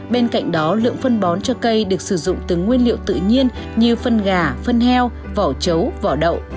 bên cạnh đó lượng phân bón cho cây được sử dụng từ nguyên liệu tự nhiên như phân gà phân heo vỏ chấu vỏ đậu